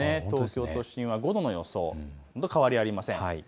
東京都心は５度の予想、ほとんど変わりありません。